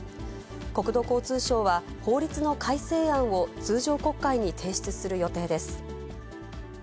国土交通省は、法律の改正案を通常国会に提出する予定です。